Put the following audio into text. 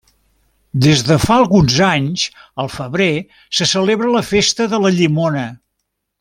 Des de fa alguns anys, al febrer se celebra la Festa de la llimona.